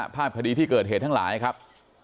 ภาพคดีที่เกิดเหตุทั้งหลายครับ